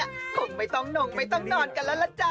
คงไม่ต้องนงไม่ต้องนอนกันแล้วล่ะจ๊ะ